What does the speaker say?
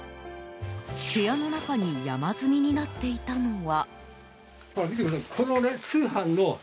部屋の中に山積みになっていたのは。